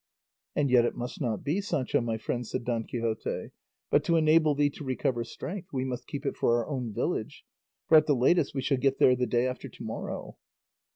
"And yet it must not be, Sancho my friend," said Don Quixote; "but, to enable thee to recover strength, we must keep it for our own village; for at the latest we shall get there the day after to morrow."